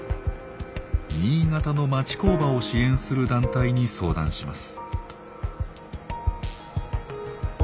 新潟の町工場を支援する団体に相談します。